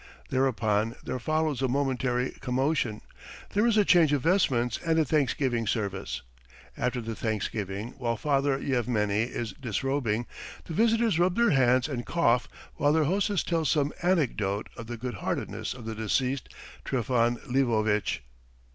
Thereupon there follows a momentary commotion; there is a changing of vestments and a thanksgiving service. After the thanksgiving, while Father Yevmeny is disrobing, the visitors rub their hands and cough, while their hostess tells some anecdote of the good heartedness of the deceased Trifon Lvovitch.